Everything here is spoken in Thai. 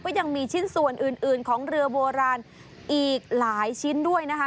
ก็ยังมีชิ้นส่วนอื่นของเรือโบราณอีกหลายชิ้นด้วยนะคะ